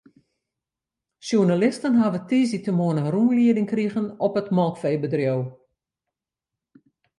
Sjoernalisten hawwe tiisdeitemoarn in rûnlieding krigen op it melkfeebedriuw.